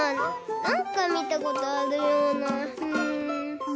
なんかみたことあるようなうん。